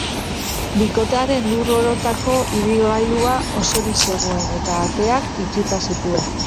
Bikotearen lur orotako ibilgailua osorik zegoen, eta ateak itxita zituen.